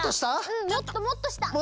うんもっともっとした！